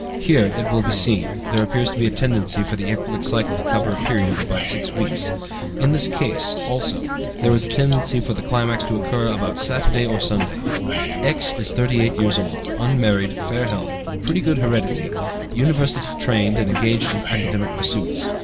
Here, it will be seen, there appears to be a tendency for the ecbolic cycle to cover a period of about six weeks. In this case, also, there is a tendency for the climax to occur about Saturday or Sunday. "X. is 38 years old, unmarried, fair health, pretty good heredity; university trained, and engaged in academic pursuits.